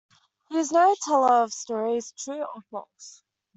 He is no teller of stories, true or false.